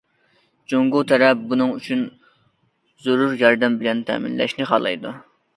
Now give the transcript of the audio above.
جۇڭگو تەرەپ بۇنىڭ ئۈچۈن زۆرۈر ياردەم بىلەن تەمىنلەشنى خالايدۇ.